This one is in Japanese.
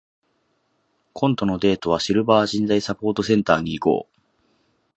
今度のデートは、シルバー人材サポートセンターに行こう。